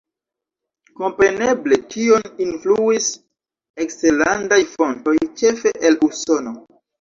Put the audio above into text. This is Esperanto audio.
Kompreneble tion influis eksterlandaj fontoj, ĉefe el Usono.